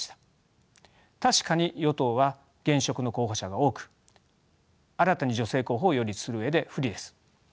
確かに与党は現職の候補者が多く新たに女性候補を擁立する上で不利です。